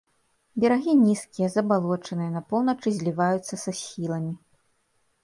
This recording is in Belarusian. Берагі нізкія, забалочаныя, на поўначы зліваюцца са схіламі.